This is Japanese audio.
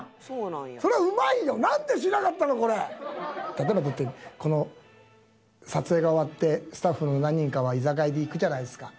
例えばだってこの撮影が終わってスタッフの何人かは居酒屋へ行くじゃないですか。